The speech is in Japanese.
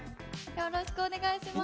よろしくお願いします。